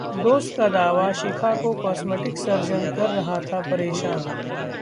दोस्त का दावा- शिखा को कॉस्मेटिक सर्जन कर रहा था परेशान